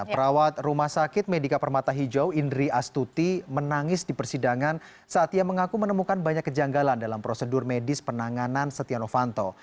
perawat rumah sakit medika permata hijau indri astuti menangis di persidangan saat ia mengaku menemukan banyak kejanggalan dalam prosedur medis penanganan setia novanto